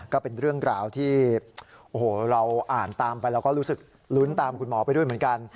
ก็เป็นเรื่องราวที่โอ้โหเราอ่านตามไปเราก็รู้สึกลุ้นตามคุณหมอไปด้วยเหมือนกัน